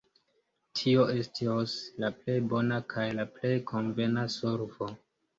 Tio estos la plej bona kaj la plej konvena solvo.